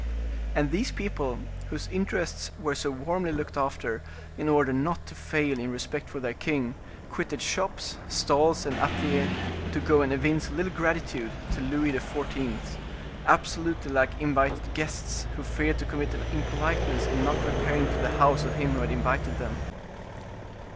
And these people, whose interests were so warmly looked after, in order not to fail in respect for their king, quitted shops, stalls, and atliers, to go and evince a little gratitude to Louis XIV., absolutely like invited guests, who feared to commit an impoliteness in not repairing to the house of him who had invited them.